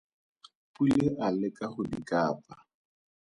Pule a leka go di kapa.